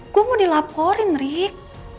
gue mau dilaporin rik